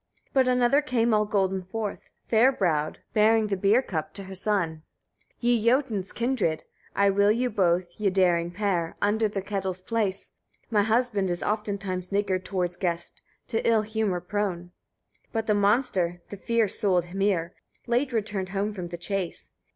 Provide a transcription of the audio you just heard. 8. But another came all golden forth, fair browed, bearing the beer cup to her son: 9. "Ye Jotuns' kindred! I will you both, ye daring pair, under the kettles place. My husband is oftentimes niggard towards guests, to ill humour prone." 10. But the monster, the fierce souled Hymir, late returned home from the chase.